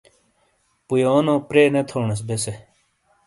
پُویونو پرے نے تھونیس بیسے۔